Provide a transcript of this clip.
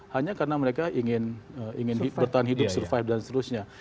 hanya karena mereka ingin bertahan hidup survive dan seterusnya